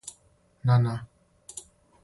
на на